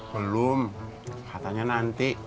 belum katanya nanti